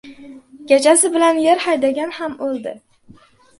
• Kechasi bilan yer haydagan ham o‘ldi.